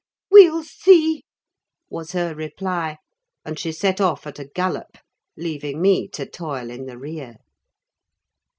"We'll see," was her reply, and she set off at a gallop, leaving me to toil in the rear.